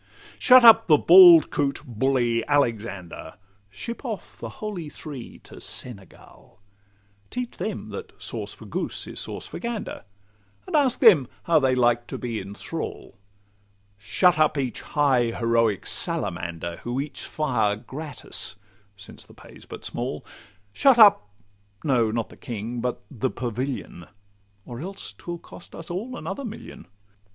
Shut up the bald coot bully Alexander! Ship off the Holy Three to Senegal; Teach them that 'sauce for goose is sauce for gander,' And ask them how they like to be in thrall? Shut up each high heroic salamander, Who eats fire gratis (since the pay 's but small); Shut up—no, not the King, but the Pavilion, Or else 'twill cost us all another million.